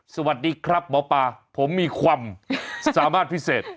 สวัสดีครับหมอปลาผมมีความสามารถพิเศษ